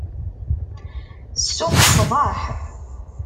Ssuq ṣṣbeḥ.